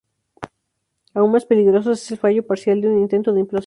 Aún más peligroso es el fallo parcial de un intento de implosión.